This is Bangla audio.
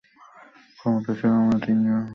ক্ষণকালের জন্য আমরা তিন জনেই চুপ করিয়া রহিলাম।